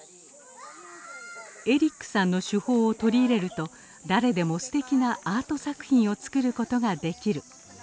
エリックさんの手法を取り入れると誰でもすてきなアート作品を作ることができる！